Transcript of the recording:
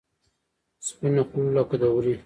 سپینه خوله لکه د ورې.